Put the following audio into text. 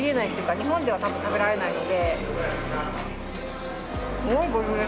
日本では多分食べられないので。